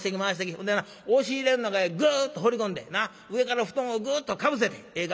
ほんでな押し入れの中へグッと放り込んで上から布団をグッとかぶせてええか？